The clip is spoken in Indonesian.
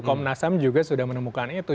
komnasam juga sudah menemukan itu